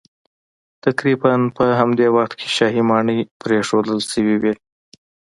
تقریبا په همدې وخت کې شاهي ماڼۍ پرېښودل شوې وې